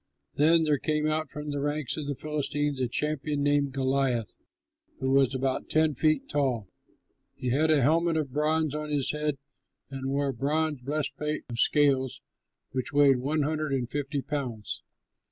Then there came out from the ranks of the Philistines a champion named Goliath, who was about ten feet tall. He had a helmet of bronze on his head and wore a bronze breastplate of scales which weighed one hundred and fifty pounds.